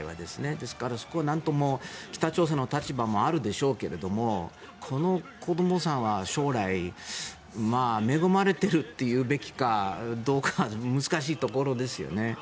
ですからそこはなんとも北朝鮮の立場もあるでしょうけどこの子どもさんは将来恵まれているというべきかどうか難しいところですよね。